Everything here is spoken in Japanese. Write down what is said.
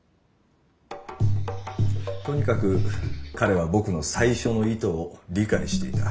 とにかく彼は僕の最初の意図を理解していた。